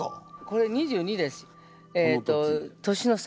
これ２２です。